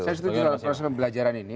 saya setuju soal proses pembelajaran ini